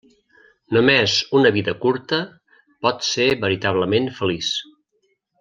Només una vida curta pot ser veritablement feliç.